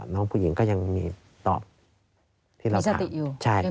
น้องผู้หญิงก็ยังมีตอบที่เราถาม